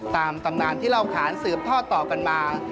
ตามตำนานที่เล่าขานสืบท่อต่อกันมา